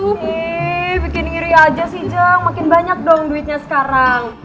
wih bikin iri aja sih jeng makin banyak dong duitnya sekarang